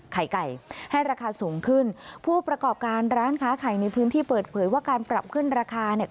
ไข่ไก่ให้ราคาสูงขึ้นผู้ประกอบการร้านค้าไข่ในพื้นที่เปิดเผยว่าการปรับขึ้นราคาเนี่ย